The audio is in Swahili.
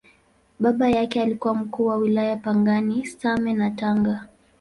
Baba yake alikuwa Mkuu wa Wilaya Pangani, Same na Tanga.